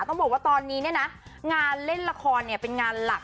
ต้องบอกว่าตอนนี้เนี่ยนะงานเล่นละครเนี่ยเป็นงานหลัก